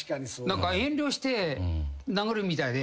何か遠慮して殴るみたいで。